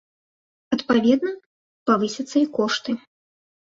Адпаведна, павысяцца і кошты.